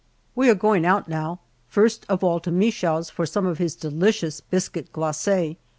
We are going out now, first of all to Michaud's for some of his delicious biscuit glace!